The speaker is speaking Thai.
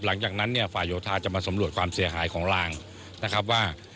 หลังจากนั้นเนี่ยฝ่ายโยธาจะมาสำรวจความเสียหายของลางนะครับว่า